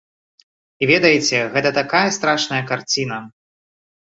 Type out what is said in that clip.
І ведаеце, гэта такая страшная карціна.